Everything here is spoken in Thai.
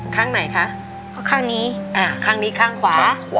ข้างไหนคะข้างนี้ข้างขวา